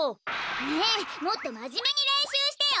ねえもっとまじめにれんしゅうしてよ！